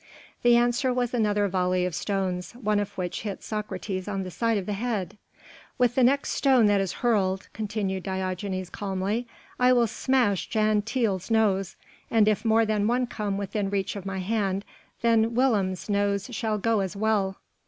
The answer was another volley of stones, one of which hit Socrates on the side of the head: "With the next stone that is hurled," continued Diogenes calmly, "I will smash Jan Tiele's nose: and if more than one come within reach of my hand, then Willem's nose shall go as well."